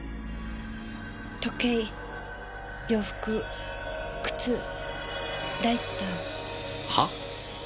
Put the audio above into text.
時計洋服靴ライター。は？